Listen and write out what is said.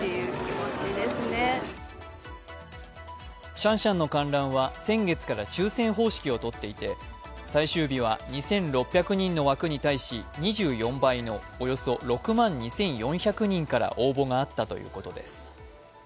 シャンシャンの観覧は先月から抽選方式をとっていて最終日は、２６００人の枠に対し２４倍のおよそ６万２４００人から応募があったということです。